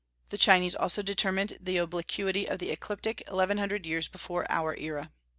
The Chinese also determined the obliquity of the ecliptic eleven hundred years before our era.